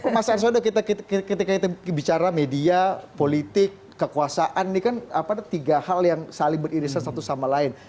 mas arswendo ketika kita bicara media politik kekuasaan ini kan tiga hal yang saling beririsan satu sama lain